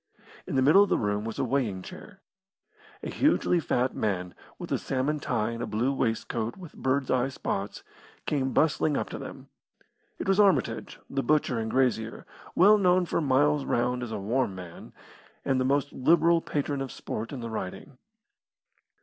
In the middle of the room was a weighing chair. A hugely fat man, with a salmon tie and a blue waistcoat with birds' eye spots, came bustling up to them. It was Armitage, the butcher and grazier, well known for miles round as a warm man, and the most liberal patron of sport in the Riding.